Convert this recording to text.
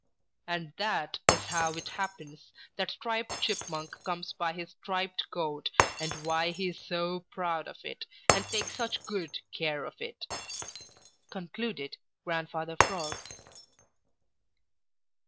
"And that is how it happens that Striped Chipmunk comes by his striped coat, and why he is so proud of it, and takes such good care of it," concluded Grandfather Frog.